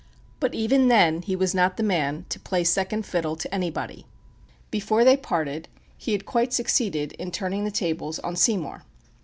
But even then he was not the man to play second fiddle to anybody. Before they parted, he had quite succeeded in turning the tables on Seymour.